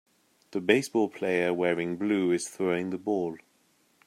The baseball player wearing blue is throwing the ball.